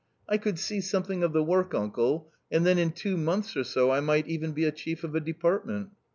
"I could see something of the work, uncle, and then in two months or so I might even be a chief of a depart ment."